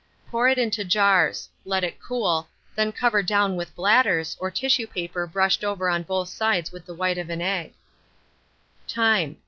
Pour it into jars; let it cool; then cover down with bladders, or tissue paper brushed over on both sides with the white of an egg.